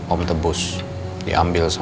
om tebus diambil sama sopir